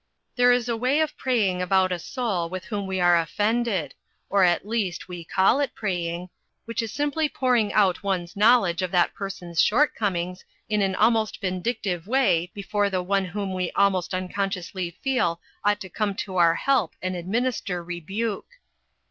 There is a way of praying about a soul with whom we are offended or, at least, we call it praying which is simply pour ing out one's knowledge of that person's shortcomings in an almost vindictive way before the One whom we almost uncon sciously feel ought to come to our help and UNPALATABLE TRUTHS. 361 administer rebuke.